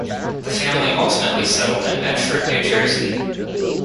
The family ultimately settled in Medford, New Jersey.